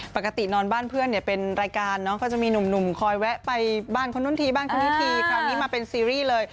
ปกตินอนบ้านเพื่อนเนี่ยเป็นรายการเนอะก็จะมีหนุ่มคอยแวะไปบ้านคนนู้นทีบ้านคนนี้ทีคราวนี้มาเป็นซีรีส์เลย